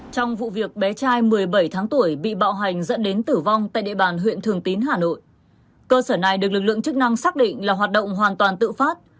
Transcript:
trong vụ việc bé trai một mươi bảy tháng tuổi bị bạo hành dẫn đến tử vong tại địa bàn huyện thường tín hà nội cơ sở này được lực lượng chức năng xác định là hoạt động hoàn toàn tự phát